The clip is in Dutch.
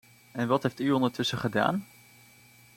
En wat heeft u ondertussen gedaan?